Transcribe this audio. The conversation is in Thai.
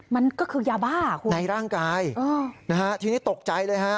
มันก็คือยาบ้าครูในร่างกายถึงที่ตกใจด้วยฮะ